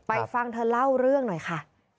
ฟังเธอเล่าเรื่องหน่อยค่ะ